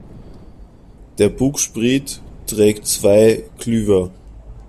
Der Bugspriet trägt zwei Klüver.